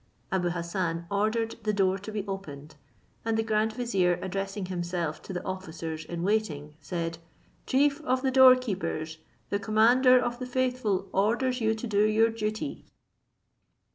Abou Hassan ordered the door to be opened, and the grand vizier addressing himself to the officers in waiting, said, "Chief of the door keepers, the commander of the faithful orders you to do your duty."